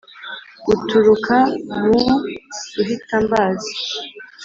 uturuka mu ruhitambazi